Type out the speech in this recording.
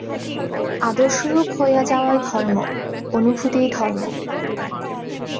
আদর্শস্বরূপ হইয়া যাওয়াই ধর্ম, অনুভূতিই ধর্ম।